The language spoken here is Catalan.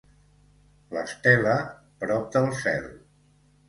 L'Estela, prop del cel.